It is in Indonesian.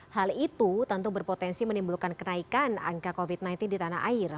hal itu tentu berpotensi menimbulkan kenaikan angka covid sembilan belas di tanah air